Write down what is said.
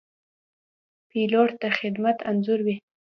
پیلوټ د خدمت انځور وي.